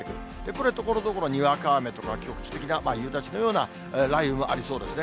これ、ところどころにわか雨とか局地的な夕立のような雷雨もありそうですね。